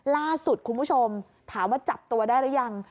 ล่าสุดคุณผู้ชมถามว่าจับตัวได้หรือยัง